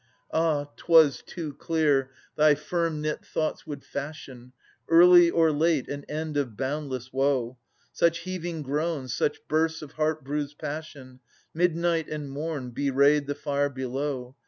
Ah! 'twas too clear thy firm knit thoughts would fashion, Early or late, an end of boundless woe ! Such heaving groans, such biersts of heart bruised passion, Midnight and morn, bewrayed the fire below.